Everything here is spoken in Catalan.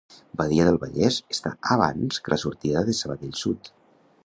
Badia del Vallès està abans que la sortida de Sabadell Sud.